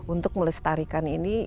untuk melestarikan ini